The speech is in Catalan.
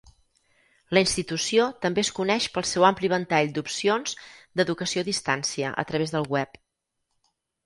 La institució també es coneix pel seu ampli ventall d'opcions d'educació a distància a través del web.